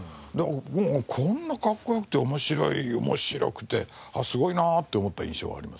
もうこんなかっこよくて面白い面白くてすごいなって思った印象があります。